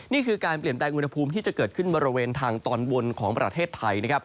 นี่คือการเปลี่ยนแปลงอุณหภูมิที่จะเกิดขึ้นบริเวณทางตอนบนของประเทศไทยนะครับ